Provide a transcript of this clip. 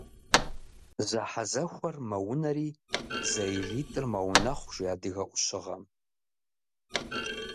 Зэхьэзэхуэр мэунэри, зэижитӀыр мэунэхъу, жи адыгэ Ӏущыгъэм.